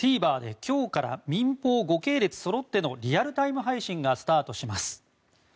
ＴＶｅｒで今日から民放５系列そろってのリアルタイム配信がスタートします。